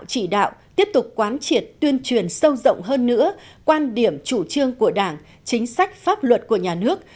chỉ đạo tiếp tục quán triệt tuyên truyền sâu rộng hơn nữa quan điểm chủ trương của đảng chính sách pháp luật của nhà nước